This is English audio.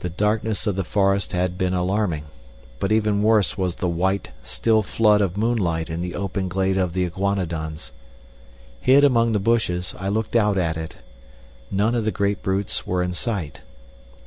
The darkness of the forest had been alarming, but even worse was the white, still flood of moonlight in the open glade of the iguanodons. Hid among the bushes, I looked out at it. None of the great brutes were in sight.